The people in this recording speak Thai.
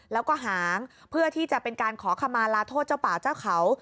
แล้วก็หางเพื่อที่จะเป็นการขอขมาลาโทษเจ้าป่าเจ้าเขา